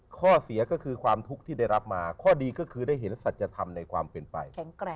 ข้อเสียมีความทุกข์ในรู้ใจฉลับมาคุ๊กก็ได้วิ่งศัจรรยธรรมในความเป็นไป